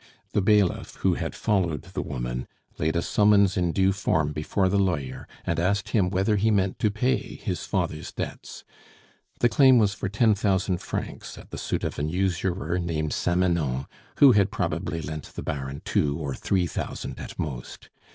The bailiff, who had followed the woman, laid a summons in due form before the lawyer, and asked him whether he meant to pay his father's debts. The claim was for ten thousand francs at the suit of an usurer named Samanon, who had probably lent the Baron two or three thousand at most.